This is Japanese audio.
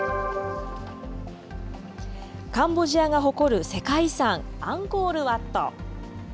カンボジアが誇る世界遺産、アンコール・ワット。